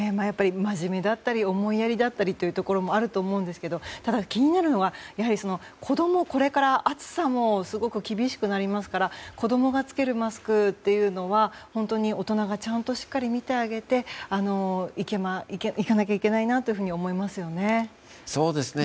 まじめだったり思いやりだったりというところもあると思うんですけれどただ、気になるのがこれから暑さもすごく厳しくなりますから子供が着けるマスクというのは本当に大人がちゃんとしっかり見てあげていかなきゃいけないなというふうに思いますよね。